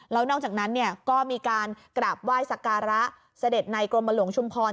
แล้วนอกจากนั้นก็มีการกราบไหว้สการะเสด็จในกรมหลวงชุมพร